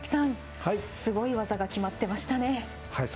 すごい技が決まってましたね。